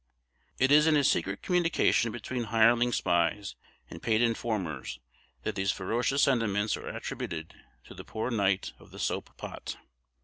It is in a secret communication between hireling spies and paid informers that these ferocious sentiments are attributed to the poor knight of the soap pot.